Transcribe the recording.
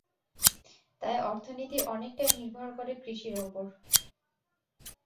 তাই অর্থনীতির অনেকটাই নির্ভর করে কৃষির উপর।